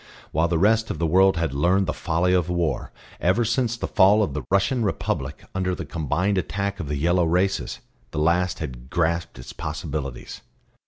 While the rest of the world had learned the folly of war, ever since the fall of the Russian republic under the combined attack of the yellow races, the last had grasped its possibilities.